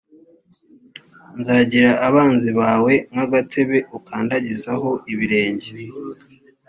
nzagirira abanzi bawe nk agatebe ukandagizaho ibirenge